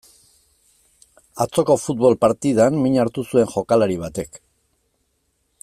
Atzoko futbol partidan min hartu zuen jokalari batek.